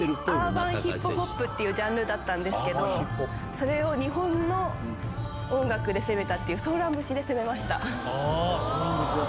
アーバンヒップホップっていうジャンルだったんですけどそれを日本の音楽で攻めた『ソーラン節』で攻めました。